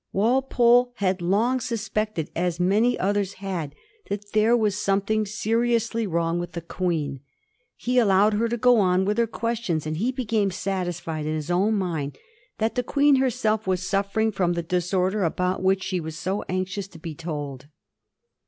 Walpole had long suspected, as many others had, that there was something seriously wrong with the Queen. He allowed her to go on with her questions, and he became satisfied in his own mind that the Queen herself was suffering from the disorder about which she was so anxious to be told.